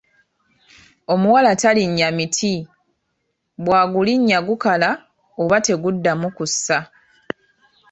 Omuwala talinnya miti, bw’agulinnya gukala oba teguddamu kussa.